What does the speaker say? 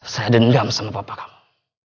saya dendam sama bapak kamu